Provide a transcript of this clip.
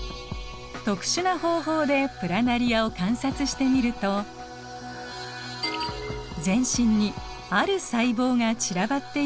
特殊な方法でプラナリアを観察してみると全身にある細胞が散らばっているのが分かります。